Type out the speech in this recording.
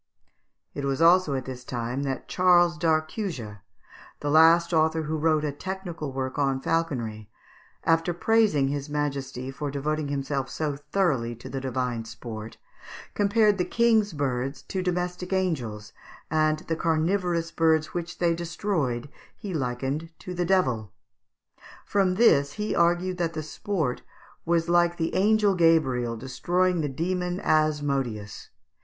It was also at this time that Charles d'Arcussia, the last author who wrote a technical work on falconry, after praising his majesty for devoting himself so thoroughly to the divine sport, compared the King's birds to domestic angels, and the carnivorous birds which they destroyed he likened to the devil. From this he argued that the sport was like the angel Gabriel destroying the demon Asmodeus.